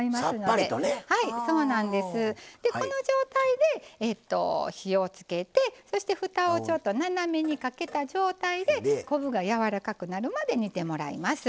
でこの状態で火をつけてそしてふたをちょっと斜めにかけた状態で昆布がやわらかくなるまで煮てもらいます。